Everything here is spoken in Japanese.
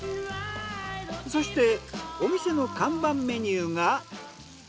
そしてお店の看板メニューが。